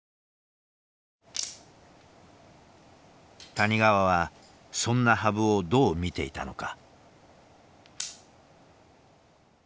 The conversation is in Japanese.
谷川はそんな羽生をどう見ていたのか。